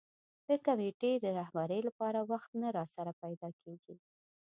د کمېټې د رهبرۍ لپاره وخت نه راسره پیدا کېږي.